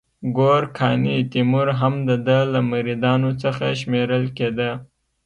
ګورکاني تیمور هم د ده له مریدانو څخه شمیرل کېده.